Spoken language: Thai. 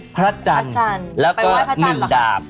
พระจันทร์แล้วก็หนึ่งดาบ